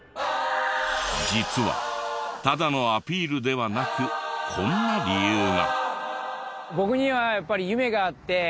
実はただのアピールではなくこんな理由が。